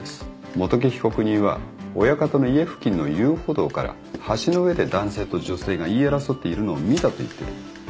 元木被告人は親方の家付近の遊歩道から橋の上で男性と女性が言い争っているのを見たと言ってる。